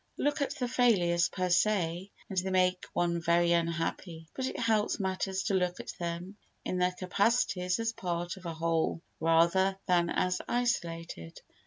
Look at the failures per se and they make one very unhappy, but it helps matters to look at them in their capacities as parts of a whole rather than as isolated.